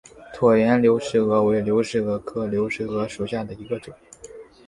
椭圆流石蛾为流石蛾科流石蛾属下的一个种。